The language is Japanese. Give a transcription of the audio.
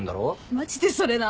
マジでそれな！